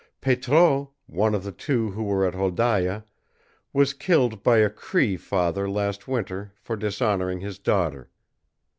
Petraud, one of the two who were at Wholdaia, was killed by a Cree father last winter for dishonoring his daughter.